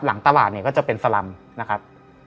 หลังตลาดเนี่ยก็จะเป็นสลำนะครับ